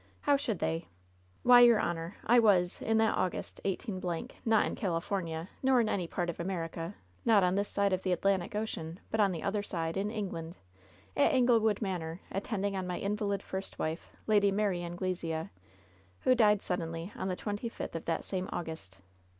How should they ? Why, your honor, I was, in that August, 18 —, not in California, nor in any part of America ; not on this side of the Atlantic Ocean, but on the other side, in England, at Anglewood Manor, at tending on my invalid first wife. Lady Mary Anglesea, who died suddenly on the twenty fifth of that same August.